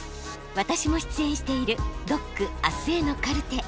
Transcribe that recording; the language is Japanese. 私も出演している「ＤＯＣあすへのカルテ」。